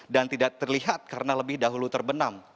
tidak terlihat karena lebih dahulu terbenam